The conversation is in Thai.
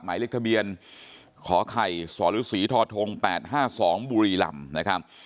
หมายเลขทะเบียนขอไข่สรศรีทธ๘๕๒บุรีลำนะครับ